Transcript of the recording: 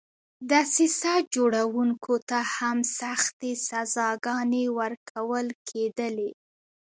دسیسه جوړوونکو ته هم سختې سزاګانې ورکول کېدلې.